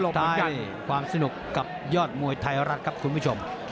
ท้ายความสนุกกับยอดมวยไทยรัฐครับคุณผู้ชม